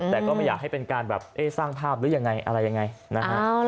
แต่ก็ไม่อยากให้เป็นการแบบเอ๊ะสร้างภาพหรือยังไงอะไรยังไงนะฮะ